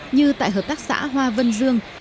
như tại hợp tác xã hoa vân dương